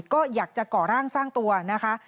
ก็อยากจะก่อร่างสร้างตัวนะคะ